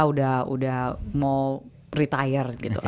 udah mau retire gitu